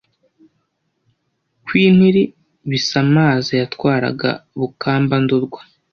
kwintiri bisamaza yatwaraga bukamba-ndorwa